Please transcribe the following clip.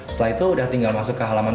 setelah itu udah tinggal masuk ke halaman